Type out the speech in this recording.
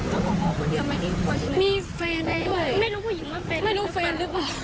ทำไมเป็นผู้หญิง